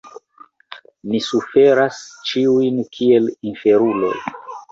Ni suferas ĉiuj kiel inferuloj.